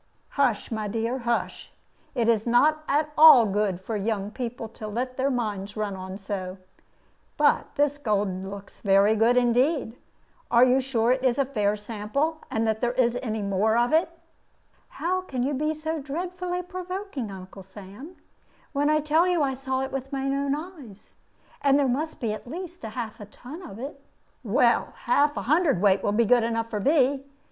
"Hush, my dear, hush! It is not at all good for young people to let their minds run on so. But this gold looks very good indeed. Are you sure that it is a fair sample, and that there is any more of it?" "How can you be so dreadfully provoking, Uncle Sam, when I tell you that I saw it with my own eyes? And there must be at least half a ton of it." "Well, half a hundred weight will be enough for me.